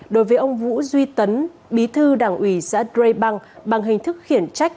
đối với ông vũ duy tấn bí thư đảng ủy giã dre bang bằng hình thức khiển trách